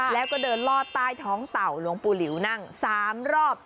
แล้วก็เดินลอดใต้ท้องเต่าหลวงปู่หลิวนั่ง๓รอบ